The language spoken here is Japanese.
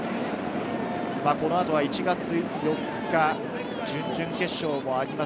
この後は１月４日、準々決勝もあります。